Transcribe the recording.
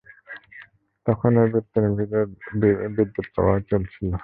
তখন ওই বর্তনীর ভেতর বিদ্যুৎ–প্রবাহ চলছিল।